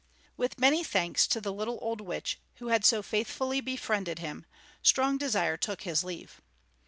With many thanks to the little old witch, who had so faithfully befriended him, Strong Desire took his leave.